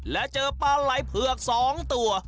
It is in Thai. และเจอปลาไหล่เผือก๒ตัว